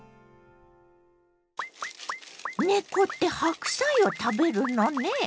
猫って白菜を食べるのね。